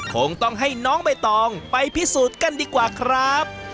คงต้องให้น้องใบตองไปพิสูจน์กันดีกว่าครับ